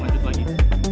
sampai jumpa lagi